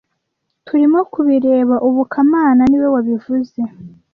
Turimo kubireba ubu kamana niwe wabivuze